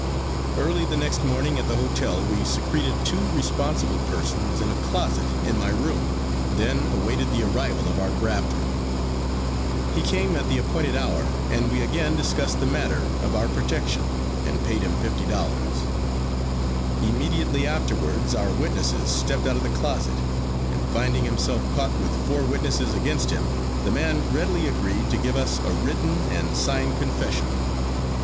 Early the next morning at the hotel we secreted two responsible persons in a closet in my room, then awaited the arrival of our grafter. He came at the appointed hour and we again discussed the matter of our protection and paid him $50.00. Immediately afterwards our witnesses stepped out of the closet, and finding himself caught with four witnesses against him, the man readily agreed to give us a written and signed confession.